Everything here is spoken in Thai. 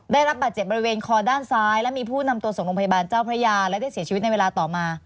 ได้รับบาดเจ็บบริเวณคอด้านซ้ายและมีผู้นำตัวส่งโรงพยาบาลเจ้าพระยาและได้เสียชีวิตในเวลาต่อมา